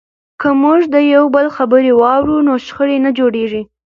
که موږ د یو بل خبرې واورو نو شخړې نه جوړیږي.